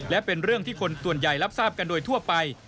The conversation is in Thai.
และเป็นเรื่องที่คนส่วนใหญ่รับทราบกันโดยทั่วไป